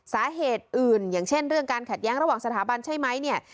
สาเหตุอื่นอย่างเช่นเรื่องการขัดแย้งระหว่างสถาบันใช่ไหมเนี่ย